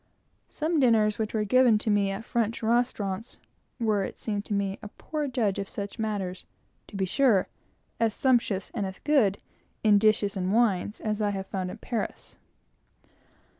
Some dinners which were given to me at French restaurants were, it seemed to me, a poor judge of such matters, to be sure, as sumptuous and as good, in dishes and wines, as I have found in Paris.